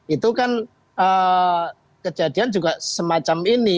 itu kan kejadian juga semacam ini